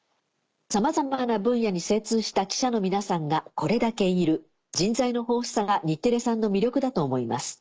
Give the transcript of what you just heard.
さまざまな分野に精通した記者の皆さんがこれだけいる人材の豊富さが日テレさんの魅力だと思います。